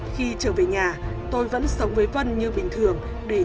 khi trở về nhà tôi vẫn sống với vân như bình thường